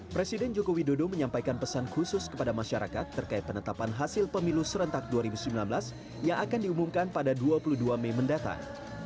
presiden joko widodo menyampaikan pesan khusus kepada masyarakat terkait penetapan hasil pemilu serentak dua ribu sembilan belas yang akan diumumkan pada dua puluh dua mei mendatang